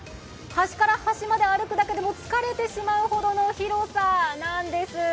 端から端まで歩くだけでも疲れてしまうほどの長さなんです。